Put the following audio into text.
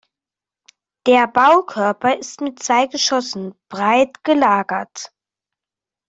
Der Baukörper ist mit zwei Geschossen breit gelagert.